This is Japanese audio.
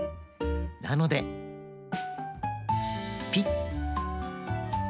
なのでピッ！